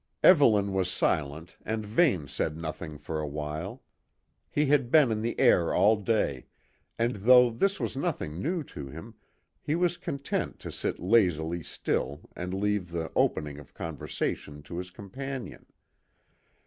Evelyn was silent and Vane said nothing for a while. He had been in the air all day, and though this was nothing new to him, he was content to sit lazily still and leave the opening of conversation to his companion.